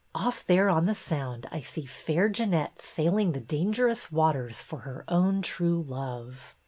Off there on the Sound I see Fair Jeannette sailing the dangerous waters for her own true love."